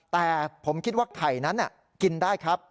แต่ผมคิดว่าไข่นั้นกินได้ครับ